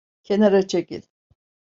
Kenara çekil.